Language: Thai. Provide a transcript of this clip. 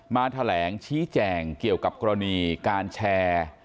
มาแถลงชี้แจงเกี่ยวกับกรณีการแชร์